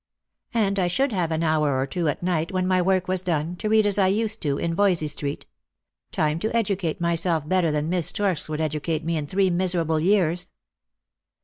And I should have an hour or two at night, when my work was done, to read as I used in Voysey street; time to educate myself better than Miss Storks would educate me in three miserable years."